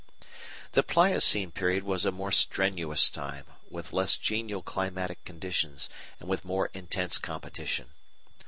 § 3 The Pliocene period was a more strenuous time, with less genial climatic conditions, and with more intense competition.